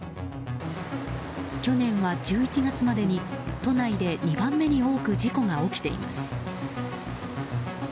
去年は１１月までに都内で２番目に多く事故が起きています。